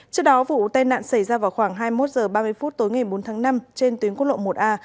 trước đó vụ tai nạn xảy ra vào khoảng hai mươi một h ba mươi phút tối ngày bốn tháng năm trên tuyến quốc lộ một a